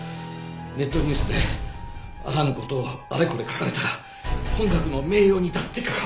ネットニュースであらぬ事をあれこれ書かれたら本学の名誉にだって関わる。